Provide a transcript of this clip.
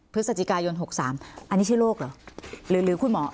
พฤศจิกายน๖๓อันนี้ชื่อโรคเหรอ